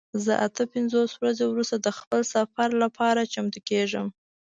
زه اته پنځوس ورځې وروسته د خپل سفر لپاره چمتو کیږم.